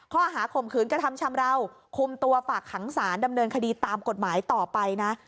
ข้อหาข่มขืนกระทำชำราวคุมตัวฝากขังสารดำเนินคดีตามกฎหมายต่อไปนะ